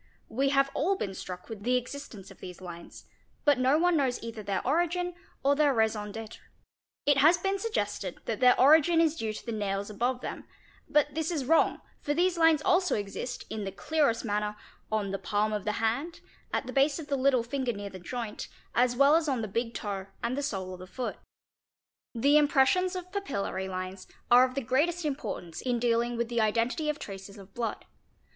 We have all been struck with the existence of these lines but no one knows either their origin or their raison d'étre. It has been suggested that their origin is due to the nails: above them but this is wrong, for these lines also exist, in the clearest manner, on the palm of the hand, at the base of the little finger near the joint, as well as on the big toe and the sole of the foot. The impressions of papillary lines are of the greatest importance in dealing with the identity of traces of blood.